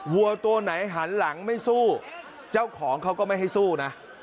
วัวตัวไหนหันหลังไม่สู้เจ้าของเขาก็ไม่ให้สู้นะ